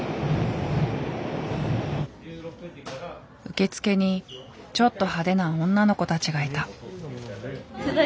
受付にちょっと派手な女の子たちがいた。